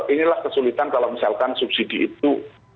inilah kesulitan kalau misalkan subsidi itu